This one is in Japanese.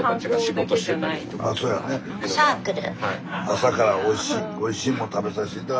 朝からおいしいおいしいもの食べさせて頂きました。